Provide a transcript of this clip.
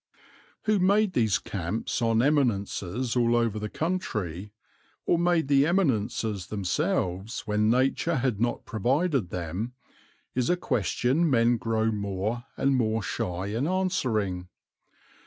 Who made these camps on eminences all over the country, or made the eminences themselves when nature had not provided them, is a question men grow more and more shy in answering.